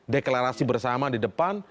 deklarasi bersama di depan